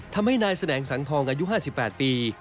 ทำให้นายแสนงสังทองอายุ๕๘ปี